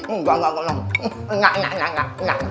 enggak enggak enggak enak enggak enggak